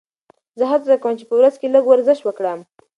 زه هڅه کوم چې په ورځ کې لږ ورزش وکړم.